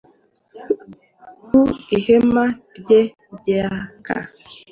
ku ihema rye ryaka